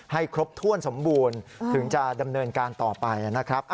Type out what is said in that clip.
ให้ครบถ้วนสมบูรณ์ถึงจะดำเนินการต่อไปนะครับ